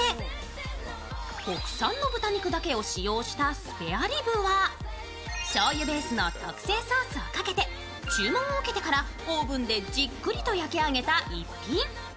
国産の豚肉だけを使用したスペアリブはしょうゆベースの特製ソースをかけて注文を受けてからオーブンでじっくりと焼き上げた一品。